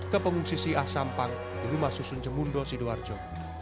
ke pengungsisi ah sampang di rumah susun jemundo sidoarjo